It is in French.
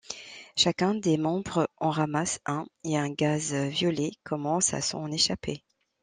Chacun des membres en ramasse un et un gaz violet commence à s'en échapper.